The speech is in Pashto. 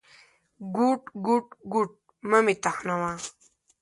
_کوټ، کوټ، کوټ… مه مې تخنوه.